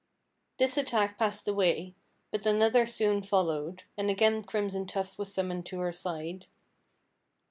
This attack passed away, but another soon followed, and again Crimson Tuft was summoned to her side.